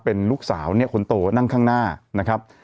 เป็นลูกสาวเนี่ยคนโตนั่งข้างหน้านะครับ